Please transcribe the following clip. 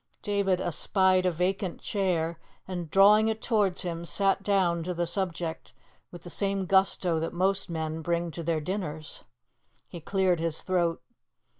David espied a vacant chair, and, drawing it towards him, sat down to the subject with the same gusto that most men bring to their dinners. He cleared his throat.